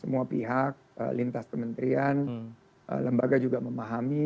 semua pihak lintas kementerian lembaga juga memahami